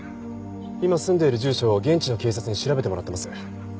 今住んでいる住所を現地の警察に調べてもらってます。